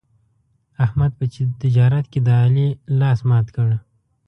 احمد په تجارت کې د علي لاس مات کړ.